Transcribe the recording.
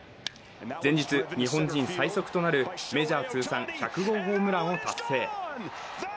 前日、日本人最速となるメジャー通算１００号を達成。